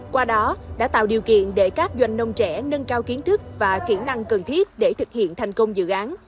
qua đó đã tạo điều kiện để các doanh nông trẻ nâng cao kiến thức và kỹ năng cần thiết để thực hiện thành công dự án